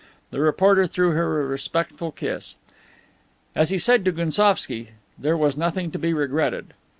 The reporter threw her a respectful kiss. As he said to Gounsovski, there was nothing to be regretted.